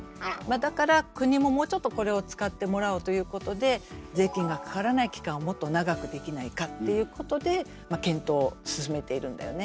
だから国ももうちょっとこれを使ってもらおうということで税金がかからない期間をもっと長くできないかっていうことでまあ検討を進めているんだよね。